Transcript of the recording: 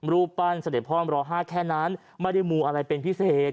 รูปปั้นเสด็จพ่อมร๕แค่นั้นไม่ได้มูอะไรเป็นพิเศษ